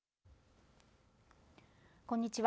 こんにちは。